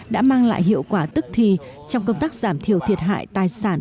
đã mang lại hiệu quả tức thì trong công tác giảm thiểu thiệt hại tài sản